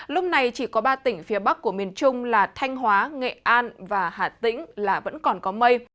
lúc này chỉ có ba tỉnh phía bắc của miền trung là thanh hóa nghệ an và hà tĩnh là vẫn còn có mây